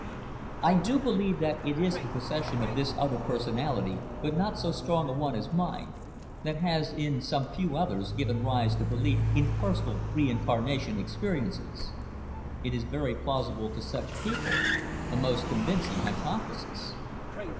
I do believe that it is the possession of this other personality—but not so strong a one as mine—that has in some few others given rise to belief in personal reincarnation experiences. It is very plausible to such people, a most convincing hypothesis.